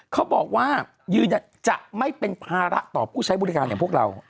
เขาบอกว่ายืนยันจะไม่เป็นภาระต่อผู้ใช้บริการอย่างพวกเรา